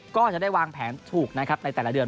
ก็จะได้วางแผนถูกนะครับในแต่ละเดือน